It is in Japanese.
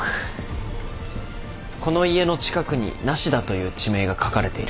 この家の近くに無田という地名が書かれている。